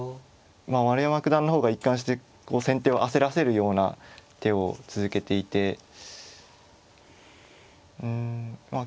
まあ丸山九段の方が一貫してこう先手を焦らせるような手を続けていてうんまあ